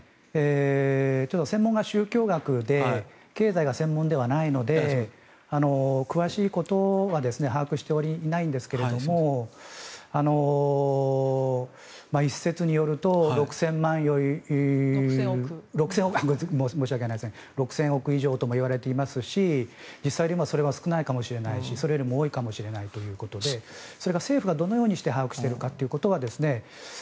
専門が宗教学で経済が専門ではないので詳しいことは把握していないんですが一説によると６０００億以上ともいわれていますし実際にはそれよりも少ないかもしれないしそれよりも多いかもしれないということでそれが政府がどのように把握しているかということは。